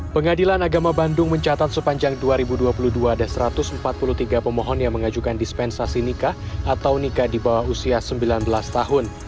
pengadilan agama bandung mencatat sepanjang dua ribu dua puluh dua ada satu ratus empat puluh tiga pemohon yang mengajukan dispensasi nikah atau nikah di bawah usia sembilan belas tahun